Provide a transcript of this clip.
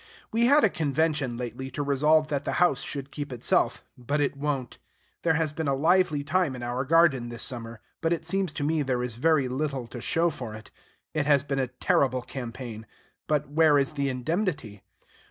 We had a convention lately to resolve that the house should keep itself; but it won't. There has been a lively time in our garden this summer; but it seems to me there is very little to show for it. It has been a terrible campaign; but where is the indemnity?